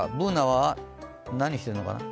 Ｂｏｏｎａは、何しているのかな？